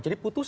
jadi putus asa